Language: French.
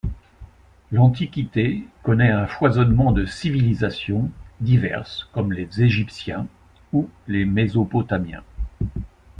L’Antiquité connaît un foisonnement de civilisations diverses comme les Égyptiens ou les Mésopotamiens.